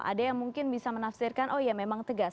ada yang mungkin bisa menafsirkan oh iya memang tegas